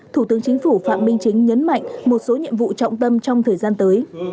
thủ tướng chính phủ phạm minh chính nhấn mạnh một số nhiệm vụ trọng tâm trong thời gian tới